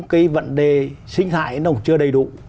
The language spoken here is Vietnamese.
cái vận đề sinh thải nó cũng chưa đầy đủ